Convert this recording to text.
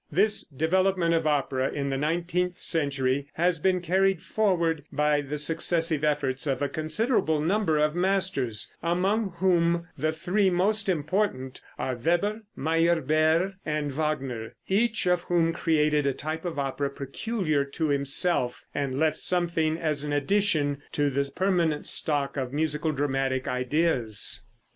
This development of opera in the nineteenth century has been carried forward by the successive efforts of a considerable number of masters, among whom the three most important are Weber, Meyerbeer and Wagner, each of whom created a type of opera peculiar to himself, and left something as an addition to the permanent stock of musical dramatic ideas.